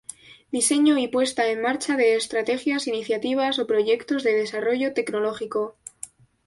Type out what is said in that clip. Diseño y puesta en marcha de estrategias, iniciativas o proyectos de Desarrollo Tecnológico.